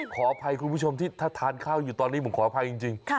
ขออภัยคุณผู้ชมที่ถ้าทานข้าวอยู่ตอนนี้ผมขออภัยจริง